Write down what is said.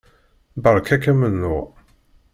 Beṛka-k amennuɣ.